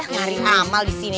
nyari amal disini